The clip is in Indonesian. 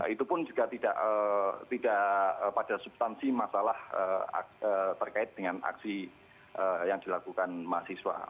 itu pun juga tidak pada substansi masalah terkait dengan aksi yang dilakukan mahasiswa